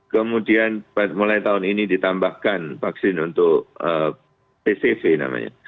kemudian mulai tahun ini ditambahkan vaksin untuk pcv namanya